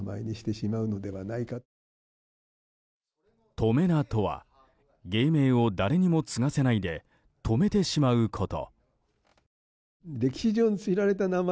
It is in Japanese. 止め名とは芸名を誰にも継がせないで止めてしまうこと。